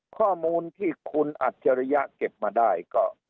ข้อมูลที่คุณอัจฉริยะเก็บมาได้ก็